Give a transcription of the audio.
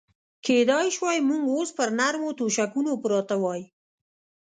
کېدای شوای موږ اوس پر نرمو تشکونو پراته وای.